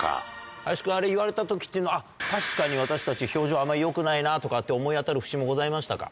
林君あれ言われた時っていうのは確かに私たち表情あまり良くないなとかって思い当たる節もございましたか？